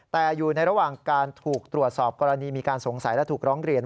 แต่อยู่ในระหว่างการถูกตรวจสอบกรณีมีการสงสัยและถูกร้องเรียน